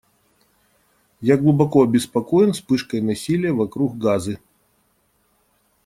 Я глубоко обеспокоен вспышкой насилия вокруг Газы.